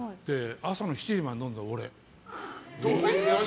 朝の７時まで飲んでたの、俺。